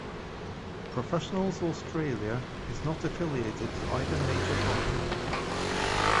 Professionals Australia is not affiliated to either major party.